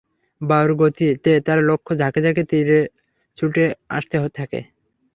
বায়ুর গতিতে তার লক্ষ্যে ঝাঁকে ঝাঁকে তীর ছুটে আসতে থাকে।